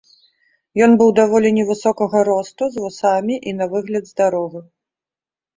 Ён быў даволі невысокага росту, з вусамі і на выгляд здаровы.